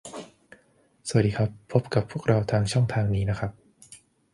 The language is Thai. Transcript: สวัสดีครับ พบกับพวกเราทางช่องนี้นะครับ